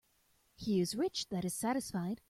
He is rich that is satisfied.